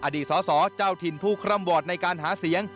อดีตสอสอเจ้าถิ่นผู้คร่ำวอร์ดในการหาเสียง